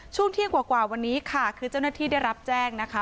ช่วงเที่ยงกว่าวันนี้ค่ะคือเจ้าหน้าที่ได้รับแจ้งนะคะ